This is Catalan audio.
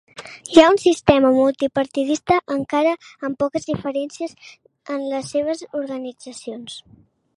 Hi ha un sistema multipartidista encara que amb poques diferències en les seves organitzacions.